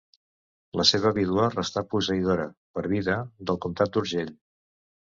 La seva vídua restà posseïdora, per vida, del comtat d'Urgell.